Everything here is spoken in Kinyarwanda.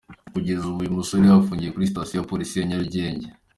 Kugeza ubu uyu musore afungiye kuri sitasiyo ya Polisi ya Nyarugenge.